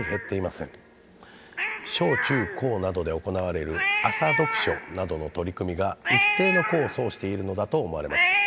小中高などで行われる朝読書などの取り組みが一定の功を奏しているのだと思われます。